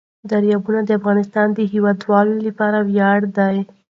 دریابونه د افغانستان د هیوادوالو لپاره ویاړ دی.